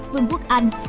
vương quốc anh